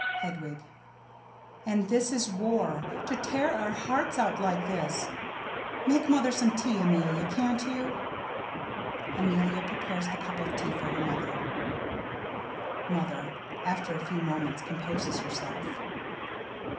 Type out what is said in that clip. _] Hedwig: And this is war to tear our hearts out like this! Make mother some tea, Amelia, can't you? [Amelia prepares the cup of tea for her mother.] Mother: [_After a few moments composes herself.